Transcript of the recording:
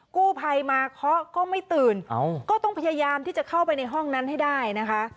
กู้ภัยมาเคาะก็ไม่ตื่นก็ต้องพยายามที่จะเข้าไปในห้องนั้นให้ได้นะคะ